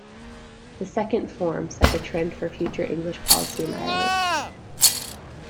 The second form set the trend for future English policy in Ireland.